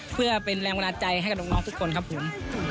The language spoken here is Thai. เพื่อเป็นแรงบันดาลใจให้กับน้องทุกคนครับผม